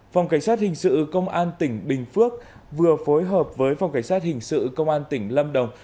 phòng cánh sát hình sự công an tp bình phước vừa phối hợp với phòng cánh sát hình sự công an tp lâm đồng